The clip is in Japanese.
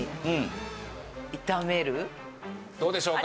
どうでしょうか？